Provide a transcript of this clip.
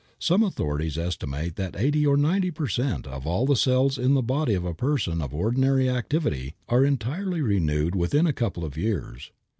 Some authorities estimate that eighty or ninety per cent. of all the cells in the body of a person of ordinary activity are entirely renewed within a couple of years.